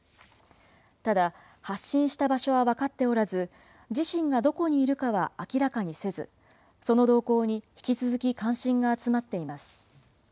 ただ、発信した場所は分かっておらず、自身がどこにいるかは明らかにせず、その動向に引き続き関心が集まっています。